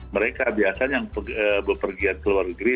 mereka biasanya yang berpergian ke luar negeri